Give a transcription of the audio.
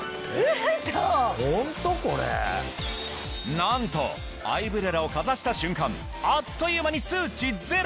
なんとアイブレラをかざした瞬間あっという間に数値ゼロ！